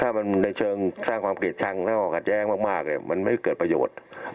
ถ้ามันซ่างความกระเอกชั่งพักแย้งมากมันไม่เหลือประโยชน์